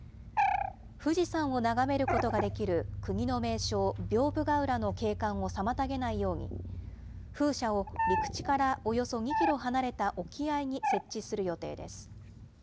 富士山を眺めることができる国の名勝、屏風ヶ浦の景観を妨げないように、風車を陸地からおよそ２キロ離れた沖合に設置する予定です。